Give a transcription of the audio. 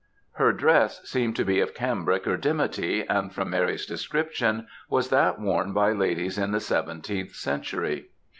Her dress seemed to be of cambric or dimity, and from Mary's description, was that worn by ladies in the seventeenth century.